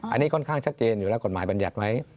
อันนี้ค่อนข้างชัดเจนอยู่แล้วกฎหมายบรรยัติไหม